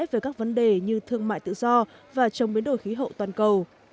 về các vấn đề như thương mại tự do và chống biến đổi khí hậu toàn cầu